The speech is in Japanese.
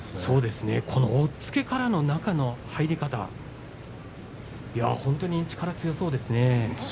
そうですねこの押っつけからの中の入り方そうですね。